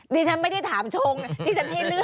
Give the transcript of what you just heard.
ดิฉันไม่ได้ถามชงดิฉันให้เลือก